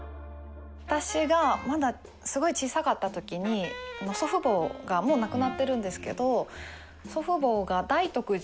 私がまだすごい小さかったときに祖父母がもう亡くなってるんですけど祖父母が大徳寺。